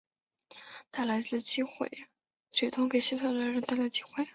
霍诺留自毁长城的举动给西哥特人带来了机会。